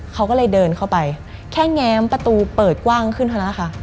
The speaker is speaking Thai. เขาก็เลยเดินเข้าไปแค่แง้มประตูเปิดกว้างขึ้นเท่านั้นแหละค่ะ